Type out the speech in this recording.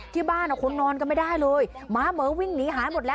ที่บ้านคนนอนกันไม่ได้เลยหมาเหอวิ่งหนีหายหมดแล้ว